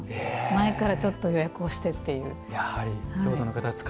前からちょっと予約をしてっていう。